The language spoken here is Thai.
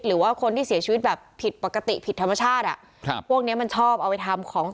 หรือว่าคนที่เสียชีวิตแบบผิดปกติผิดธรรมชาติอ่ะครับพวกเนี้ยมันชอบเอาไปทำของ